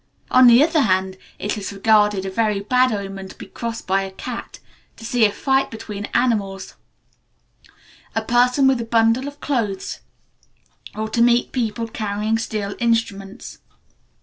On the other hand, it is regarded as a very bad omen to be crossed by a cat, to see a fight between animals, a person with a bundle of clothes, or to meet people carrying steel instruments.